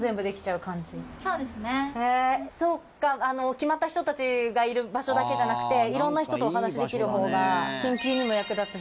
決まった人たちがいる場所だけじゃなくていろんな人とお話しできるほうが研究にも役立つし。